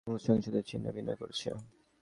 আমাদের সংহতি ছিন্নভিন্ন করছে।